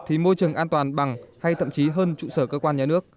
thì môi trường an toàn bằng hay thậm chí hơn trụ sở cơ quan nhà nước